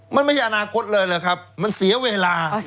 มันไม่ใช่อนาคตเลยเหรอครับมันเสียเวลา